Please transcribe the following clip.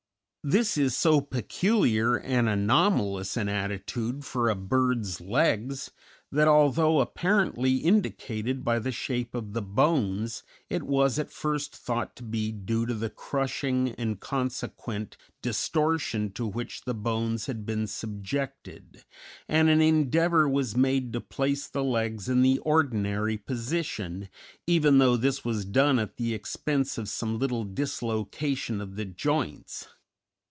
This is so peculiar and anomalous an attitude for a bird's legs that, although apparently indicated by the shape of the bones, it was at first thought to be due to the crushing and consequent distortion to which the bones had been subjected, and an endeavor was made to place the legs in the ordinary position, even though this was done at the expense of some little dislocation of the joints.